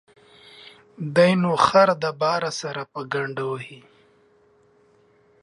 دى نو خر د باره سره په گڼده وهي.